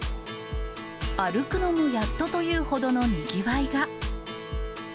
歩くのにやっとというほどのにぎわいが。